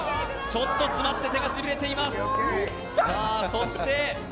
ちょっと詰まって、手がしびれています。